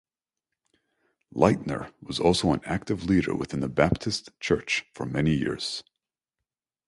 Lightner was also an active leader within the Baptist church for many years.